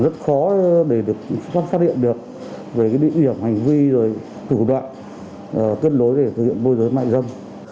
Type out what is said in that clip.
rất khó để được phát hiện được về địa điểm hành vi thủ đoạn kết nối để thực hiện môi giới mại dâm